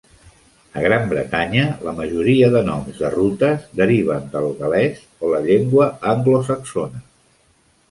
A Gran Bretanya, la majoria de noms de rutes deriven del gal·lès o la llengua anglosaxona.